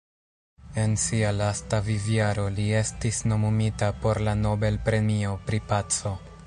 En sia lasta vivjaro li estis nomumita por la Nobel-premio pri paco.